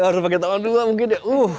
harus pakai tawa dulu lah mungkin ya